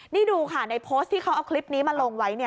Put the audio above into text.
นี่ดูค่ะในโพสต์ที่เขาเอาคลิปนี้มาลงไว้